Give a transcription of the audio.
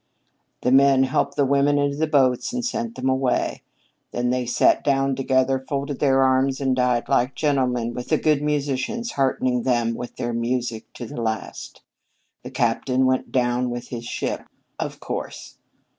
The men helped the women into the boats and sent them away. Then they sat down together, folded their arms, and died like gentlemen, with the good musicians heartening them with their music to the last. The captain went down with his ship, of course.